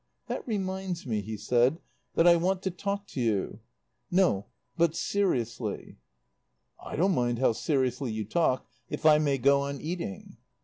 "That reminds me," he said, "that I want to talk to you. No but seriously." "I don't mind how seriously you talk if I may go on eating."